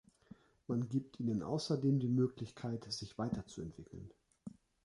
Man gibt ihnen außerdem die Möglichkeit, sich weiterzuentwickeln.